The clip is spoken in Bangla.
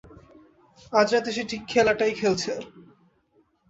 আজ রাতে সে ঠিক খেলাটাই খেলেছে।